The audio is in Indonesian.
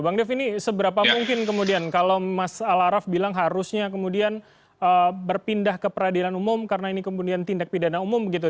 bang dev ini seberapa mungkin kemudian kalau mas al araf bilang harusnya kemudian berpindah ke peradilan umum karena ini kemudian tindak pidana umum gitu